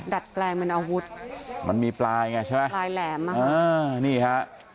ดัดแปลงเป็นอาวุธมันมีปลายไงใช่ไหมปลายแหลมอ่ะอ่านี่ฮะ